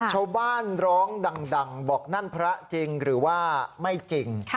ชาวบ้านร้องดังบอกนั่นพระจริงหรือว่าไม่จริง